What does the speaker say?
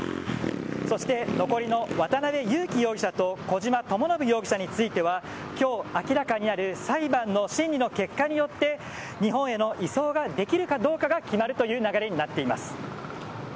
そして残りの渡辺優樹容疑者と小島智信容疑者については今日明らかになる裁判の審理の結果によって日本への移送ができるかどうかが決まるという流れなっています。